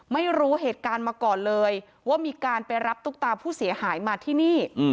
ไม่รู้เหตุการณ์มาก่อนเลยว่ามีการไปรับตุ๊กตาผู้เสียหายมาที่นี่